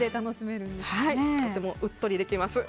とてもうっとりできます。